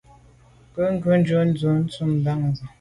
Ke ghù jujù dun ntùm bam se.